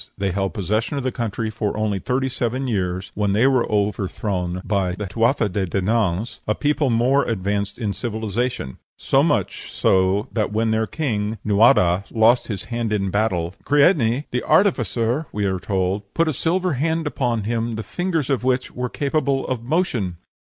They held possession of the country for only thirty seven years, when they were overthrown by the Tuatha de Dananns, a people more advanced in civilization; so much so that when their king, Nuadha, lost his hand in battle, "Creidne, the artificer," we are told, "put a silver hand upon him, the fingers of which were capable of motion."